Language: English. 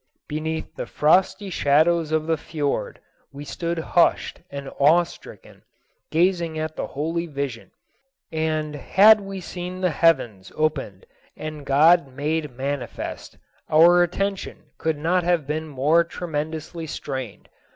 Beneath the frosty shadows of the fiord we stood hushed and awe stricken, gazing at the holy vision; and had we seen the heavens opened and God made manifest, our attention could not have been more tremendously strained.